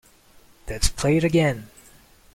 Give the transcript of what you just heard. Let's play it again!